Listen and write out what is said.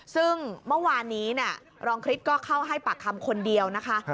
ซึ่งเมื่อวานนี้รองคริสก็เข้าให้ปากคำคนเดียวนะคะ